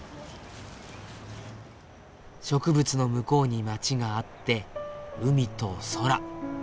植物の向こうに街があって海と空。